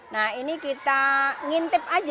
nah ini kita ngintip aja gitu loh